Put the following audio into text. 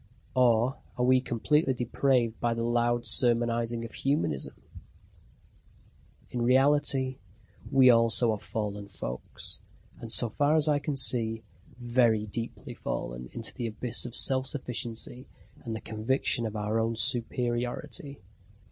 Or are we completely depraved by the loud sermonising of humanism? In reality, we also are fallen folks, and, so far as I can see, very deeply fallen into the abyss of self sufficiency and the conviction of our own superiority.